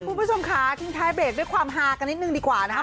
คุณผู้ชมค่ะทิ้งท้ายเบรกด้วยความฮากันนิดนึงดีกว่านะครับ